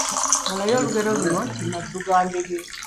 Malayo olugero luno nti: Maddu ga ddenge,……